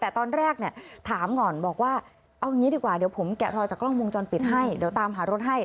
แต่ตอนแรกเนี่ยถามก่อนบอกว่าเอาอย่างนี้ดีกว่าเดี๋ยวผมแกะรอยจากกล้องวงจรปิดให้เดี๋ยวตามหารถให้